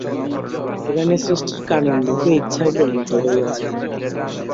এখানে সৃষ্টির কারণরূপে ইচ্ছাই বর্ণিত হইয়াছে।